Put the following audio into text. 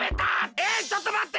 えっちょっとまって！